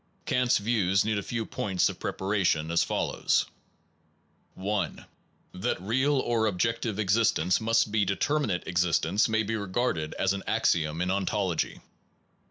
Kant s views need a few points of prepara tion, as follows: 1. That real or objective existence must be 159 SOME PROBLEMS OF PHILOSOPHY determinate existence may be regarded as an axiom in ontology.